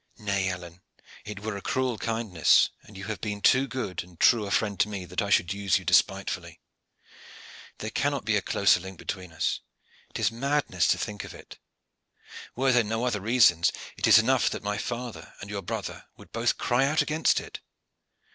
"Nay, Alleyne, it were a cruel kindness, and you have been too good and true a friend to me that I should use you despitefully. There cannot be a closer link between us. It is madness to think of it. Were there no other reasons, it is enough that my father and your brother would both cry out against it."